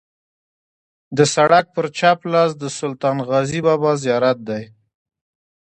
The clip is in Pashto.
د سړک پر چپ لاس د سلطان غازي بابا زیارت دی.